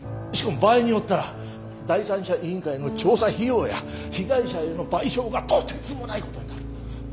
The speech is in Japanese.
しかも場合によったら第三者委員会の調査費用や被害者への賠償がとてつもないことになる。